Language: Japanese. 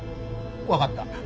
わかった。